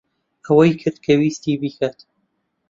ئەوەی کرد کە ویستی بیکات.